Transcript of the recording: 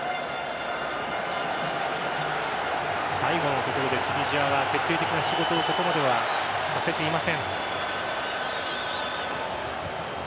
最後のところでチュニジアは決定的な仕事をここまではさせていません。